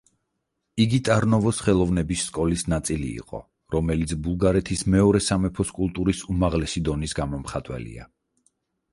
იგი ტარნოვოს ხელოვნების სკოლის ნაწილი იყო, რომელიც ბულგარეთის მეორე სამეფოს კულტურის უმაღლესი დონის გამომხატველია.